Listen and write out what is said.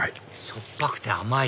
しょっぱくて甘い！